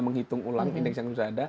menghitung ulang indeks yang sudah ada